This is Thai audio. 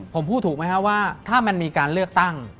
ผมพูดถูกไหมครับว่าถ้ามันมีการเลือกตั้ง